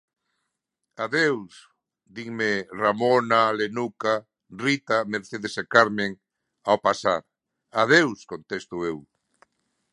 Adeus, dinme Ramona, Lenuca, Rita, Mercedes e Carmen, ao pasar, adeus contesto eu.